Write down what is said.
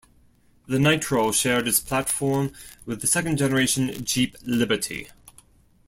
The Nitro shared its platform with the second generation Jeep Liberty.